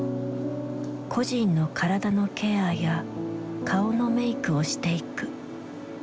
故人の体のケアや顔のメイクをしていく。